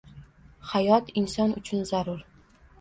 Hayot inson uchun zarur